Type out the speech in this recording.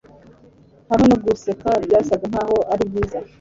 Hamwe no guseka byasaga nkaho ari byiza